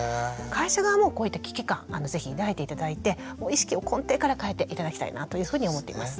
会社側もこういった危機感是非抱いて頂いて意識を根底から変えて頂きたいなというふうに思っています。